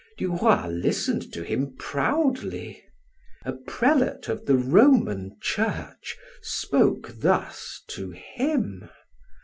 Du Roy listened to him proudly. A prelate of the Roman Church spoke thus to him.